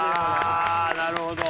なるほど。